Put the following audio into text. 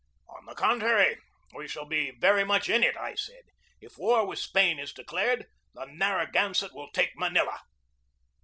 "On the contrary, we shall be very much in it," I said. "If war with Spain is declared, the Narra gansett will take Manila.